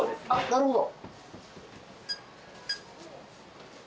なるほど。